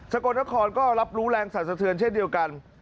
กลนครก็รับรู้แรงสรรสะเทือนเช่นเดียวกัน